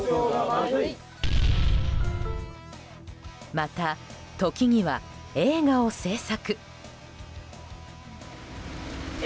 また時には映画を制作。